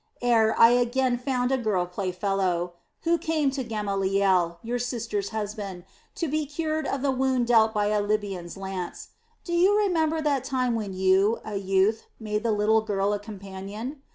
Ere I again found a girl playfellow, you came to Gamaliel, your sister's husband, to be cured of the wound dealt by a Libyan's lance. Do you remember that time when you, a youth, made the little girl a companion?